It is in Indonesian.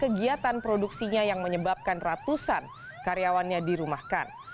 kegiatan produksinya yang menyebabkan ratusan karyawannya dirumahkan